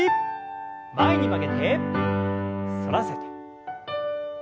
前に曲げて反らせて。